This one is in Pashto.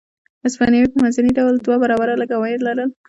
هسپانوي په منځني ډول دوه برابره لږ عواید لرل.